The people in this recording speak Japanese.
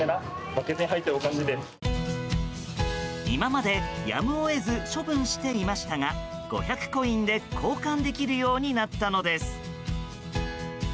今までやむを得ず処分していましたが５００コインで交換できるようになったのです。